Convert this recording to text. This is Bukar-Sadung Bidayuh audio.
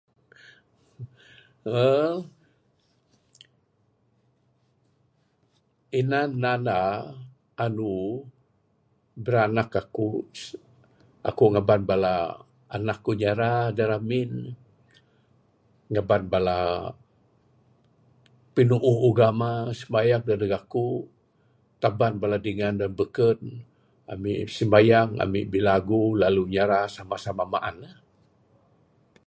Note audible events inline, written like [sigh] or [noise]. [unintelligible] inan nanda andu biranak aku aku ngaban bala anak ku nyara da ramin ngaban bala pinuuh agama smayang dadeg aku taban bala dingan da beken ami simayang ami bilagu nyara Samah samah maan la.